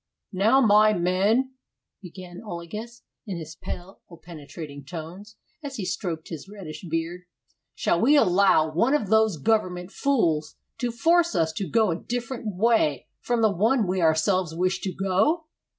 "Now, my men," began Olagus in powerful penetrating tones, as he stroked his reddish beard, "shall we allow one of those government fools to force us to go a different way from the one we ourselves wish to go?"